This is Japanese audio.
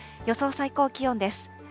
予想最高気温です。